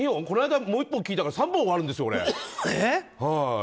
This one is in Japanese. この間、もう１本聞いたから３本終わるんですよ、俺。